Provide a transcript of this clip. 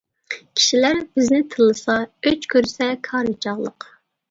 كىشىلەر بىزنى تىللىسا، ئۆچ كۆرسە كارى چاغلىق!